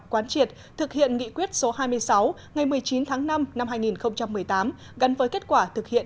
quán triệt thực hiện nghị quyết số hai mươi sáu ngày một mươi chín tháng năm năm hai nghìn một mươi tám gắn với kết quả thực hiện